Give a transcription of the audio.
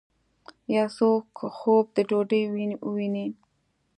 یو څوک خوب د ډوډۍ وویني